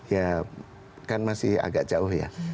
ya kan masih agak jauh ya